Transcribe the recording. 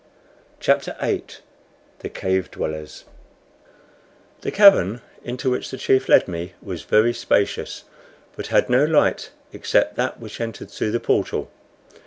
CHAPTER VIII THE CAVE DWELLERS The cavern into which the chief led me was very spacious, but had no light except that which entered through the portal.